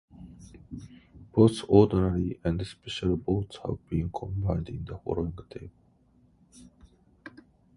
Both ordinary and special votes have been combined in the following table.